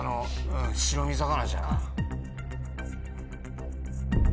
うん白身魚じゃない？